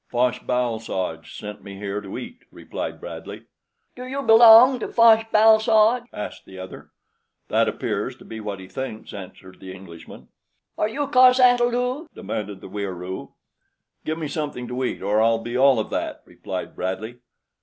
"Fosh bal soj sent me here to eat," replied Bradley. "Do you belong to Fosh bal soj?" asked the other. "That appears to be what he thinks," answered the Englishman. "Are you cos ata lu?" demanded the Wieroo. "Give me something to eat or I'll be all of that," replied Bradley.